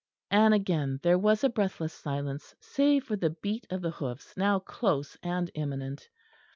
And again there was a breathless silence, save for the beat of the hoofs now close and imminent.